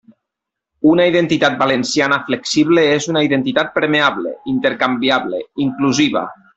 Una identitat valenciana flexible és una identitat permeable, intercanviable, inclusiva.